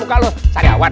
kenapa muka lu sariawan